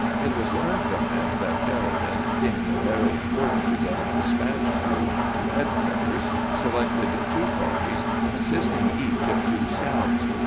It was learned from them that Sheridan, deeming it very important to get a despatch through to headquarters, selected two parties, consisting each of two scouts.